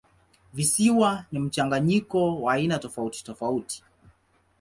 Visiwa ni mchanganyiko wa aina tofautitofauti.